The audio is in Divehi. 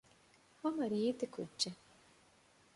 ހަމަ ރީތި ކުއްޖެއް